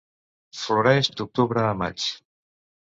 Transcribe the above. Floreix d'octubre a maig.